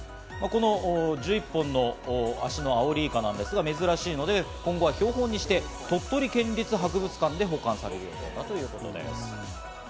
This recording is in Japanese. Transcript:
この１１本の足のアオリイカなんですが、珍しいので今後は標本にして、鳥取県立博物館で保管される予定だということです。